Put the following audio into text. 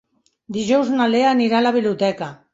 Dijous na Lea anirà a la biblioteca.